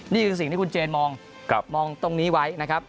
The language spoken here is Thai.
นี่คือสิ่งที่คุณเจนมองตรงนี้ไว้นะครับ